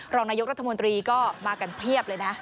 รองนายกรัฐมนตรีก็มากันเพียบเลยนะ